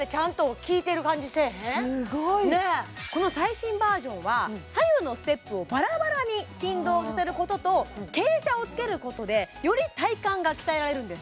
この最新バージョンは左右のステップをバラバラに振動させることと傾斜をつけることでより体幹が鍛えられるんです